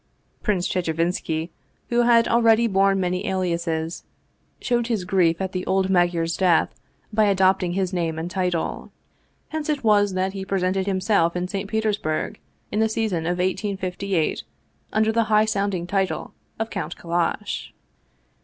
Prince Chechevinski, who had already borne many aliases, showed his grief at the old Magyar's death by adopting his name and title; hence it was that he presented himself in St. Petersburg in the season of 1858 under the high sounding title of Count Kallash.